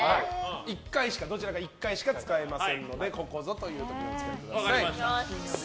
どちらか１回しか使えませんのでここぞという時にお使いください。